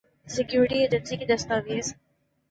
security agency کی دستاویز